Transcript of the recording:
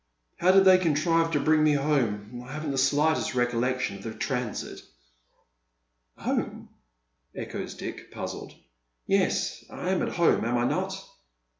How did they contrive to bring me home? I haven't the sligiitest recollection of the transit" '• Home ?" echoes Dick, puzzled. " Yes. I am at home, am I not